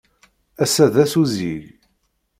Ass-a d ass uzzig.